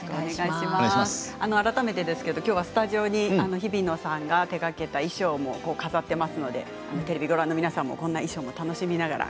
改めてですけれど今日はスタジオにひびのさん手がけた衣装も飾っていますのでテレビをご覧の皆さんも衣装も楽しみながら